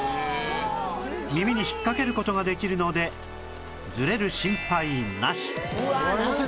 耳に引っかける事ができるのでズレる心配なし